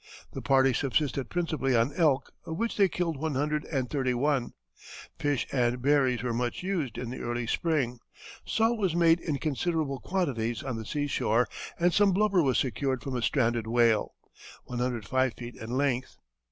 The party subsisted principally on elk, of which they killed one hundred and thirty one. Fish and berries were much used in the early spring. Salt was made in considerable quantities on the sea shore, and some blubber was secured from a stranded whale, 105 feet in length.